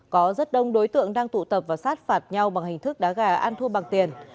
có rất đông đối tượng đang tụ tập và sát phạt nhau bằng hình thức đá gà ăn thua bằng tiền